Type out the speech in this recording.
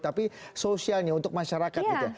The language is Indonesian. tapi sosialnya untuk masyarakat gitu ya